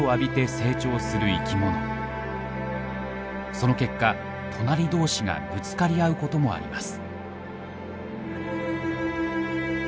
その結果隣同士がぶつかり合うこともあります。